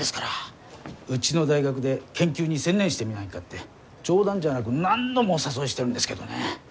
うちの大学で研究に専念してみないかって冗談じゃなく何度もお誘いしてるんですけどね。